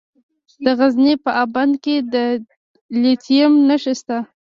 د غزني په اب بند کې د لیتیم نښې شته.